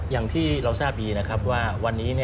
อย่างที่เราทราบดีนะครับว่าวันนี้